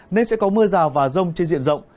nên sẽ có mưa rào và rông trên diện rộng